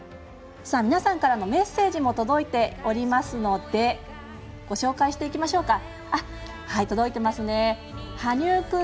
皆さんからのメッセージも届いておりますのでご紹介していきましょう。